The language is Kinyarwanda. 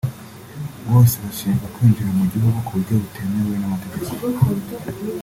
bose bashinjwa kwinjira mu gihugu ku buryo butemewe n’amategeko